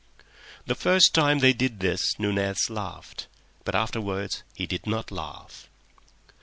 The first time they did this Nunez laughed. But afterwards he did not laugh.